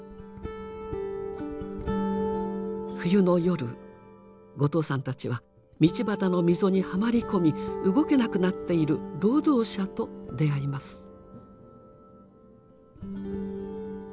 冬の夜後藤さんたちは道端の溝にはまり込み動けなくなっている労働者と出会います。